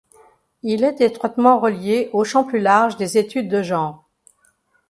Il est étroitement relié au champ plus large des études de genre.